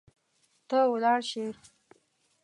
ته ولاړ شي